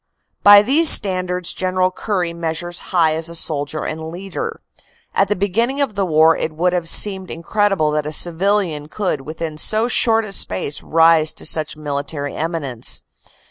By these standards General Currie measures high as soldier and leader. At the beginning of the war it would have seemed incredible that a civilian could within so short a space rise to such military eminence.